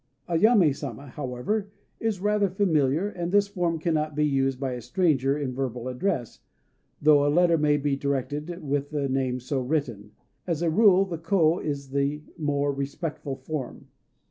"Ayamé Sama," however, is rather familiar; and this form cannot be used by a stranger in verbal address, though a letter may be directed with the name so written. As a rule, the ko is the more respectful form.